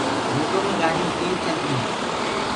روڊو مي گآڏيونٚ تيج چلديونٚ هينٚ